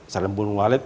selain belum walet